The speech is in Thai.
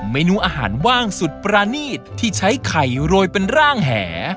เมนูอาหารว่างสุดปรานีตที่ใช้ไข่โรยเป็นร่างแห